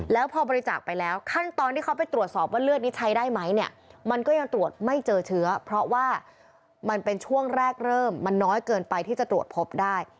แล้วพอบริจาคไปแล้วขั้นตอนที่เขาไปตรวจสอบว่าเลือดนี้ใช้ได้ไหมเนี่ยมันก็ยังตรวจไม่เจอเชื้อเพราะว่ามันเป็นช่วงแรกเริ่มมันน้อยเกินไปที่จะตรวจพบได้